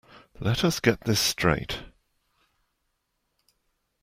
Let us get this straight.